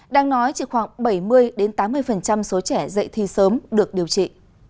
đang nói chỉ khoảng bảy mươi tám mươi số trẻ dạy thi sớm được điều trị